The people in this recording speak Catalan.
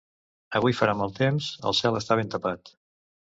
Avui farà mal temps, el cel està ben tapat.